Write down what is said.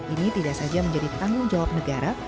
ini tidak saja menjadi tanggung jawab negara